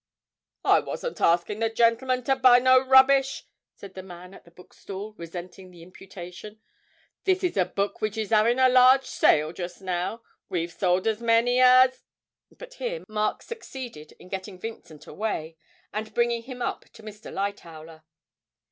'I wasn't asking the gentleman to buy no rubbish,' said the man at the bookstall, resenting the imputation. 'This is a book which is 'aving a large sale just now: we've sold as many as' but here Mark succeeded in getting Vincent away and bringing him up to Mr. Lightowler.